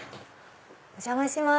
お邪魔します。